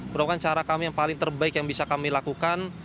merupakan cara kami yang paling terbaik yang bisa kami lakukan